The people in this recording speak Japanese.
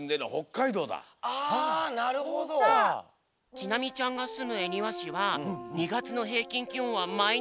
ちなみちゃんがすむえにわしは２がつのへいきんきおんはマイナス５ど！